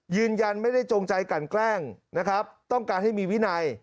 ยืนยันไม่ได้จงใจกันแกล้งนะครับต้องการให้มีวินัย